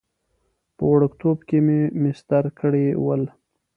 په وړکتوب کې مې مسطر کړي ول.